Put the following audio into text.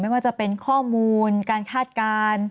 ไม่ว่าจะเป็นข้อมูลการคาดการณ์